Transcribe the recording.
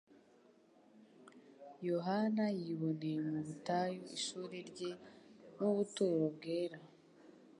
Yohana yiboneye mu butayu ishuri rye n'ubuturo bwera.